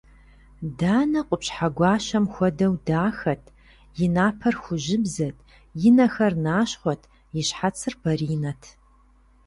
Данэ къупщхьэ гуащэм хуэдэу дахэт: и напэр хужьыбзэт, и нэхэр нащхъуэт, и щхьэцыр баринэт.